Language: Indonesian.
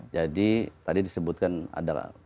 jadi tadi disebutkan ada konflik